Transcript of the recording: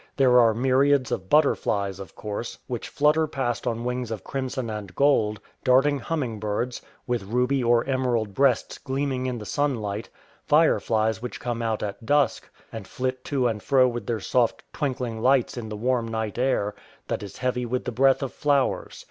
There are myriads of butterflies, of course, which flutter past on wings of crimson and gold ; darting humming birds, with ruby or emerald breasts gleaming in the sunlight ; fireflies which come out at dusk, and flit to and fro with their soft twinkling lights in the warm night air that is heavy with the breath of flowers.